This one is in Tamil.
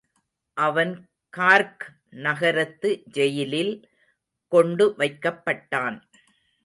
அவன் கார்க் நகரத்து ஜெயிலில் கொண்டுவைக்கப்பட்டான்.